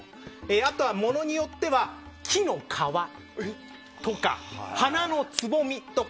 あとはものによっては木の皮とか花のつぼみとか。